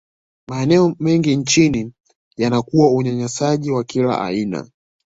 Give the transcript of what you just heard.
maeneo mengi nchini yanakuwa unyanyasaji wa kila aina